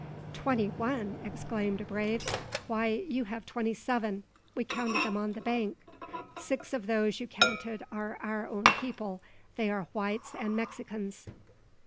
"Twenty one!" exclaimed a brave; "why, you have twenty seven. We counted them on the bank." "Six of those you counted are our own people. They are whites and Mexicans."